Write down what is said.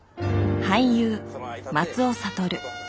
俳優松尾諭。